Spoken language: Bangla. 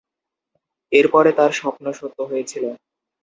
এরপরে তার স্বপ্ন সত্য হয়েছিল।